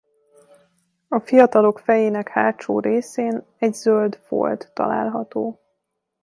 A fiatalok fejének hátsó részén egy zöld folt található.